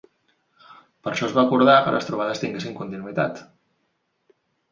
Per això es va acordar que les trobades tinguessin continuïtat.